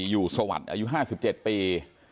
อยู่สะพานอายุข้าว๕๗ปี